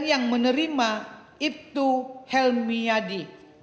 yang menerima ibtu helmiyadi